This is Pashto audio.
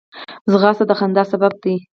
ځغاسته د خندا سبب ده